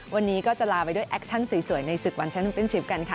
วันนี้ก็จะลาไปด้วยแอคชั่นสวยในศึกวันแชมป์เป็นชิปกันค่ะ